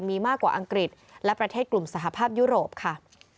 มีมากกว่าอังกฤษและประเทศกลุ่มสหภาพยุโรปค่ะ